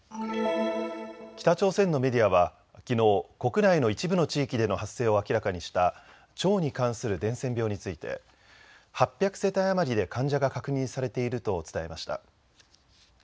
北朝鮮のメディアはきのう国内の一部の地域での発生を明らかにした腸に関する伝染病について８００世帯余りで患者が確認されていると伝えました。